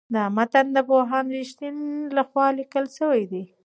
دا متن د پوهاند رښتین لخوا لیکل شوی دی.